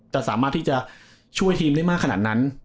สามารถที่จะช่วยทีมได้มากขนาดนั้น